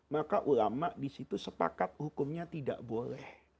maka ulama disitu sepakat hukumnya tidak boleh